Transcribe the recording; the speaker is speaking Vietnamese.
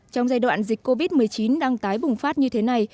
trong giai đoạn dịch covid một mươi chín đang tái bùng phát như thế này